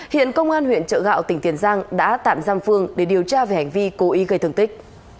hiện công an huyện trợ gạo tỉnh tiền giang đã tạm giam phương để điều tra về hành vi cố ý gây thương tích